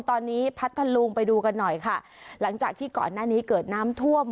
ตอนนี้พัทธลุงไปดูกันหน่อยค่ะหลังจากที่ก่อนหน้านี้เกิดน้ำท่วม